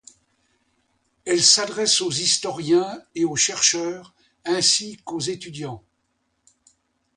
Elle s'adresse aux historiens et aux chercheurs ainsi qu'aux étudiants.